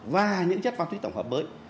và những chất ma túy tổng hợp bới